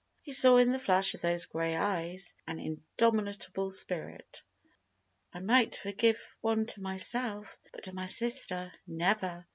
He saw in the flash of those gray eyes an indomitable spirit. "I might forgive one to myself, but to my sister, never!"